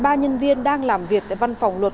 ba nhân viên đang làm việc tại văn phòng luật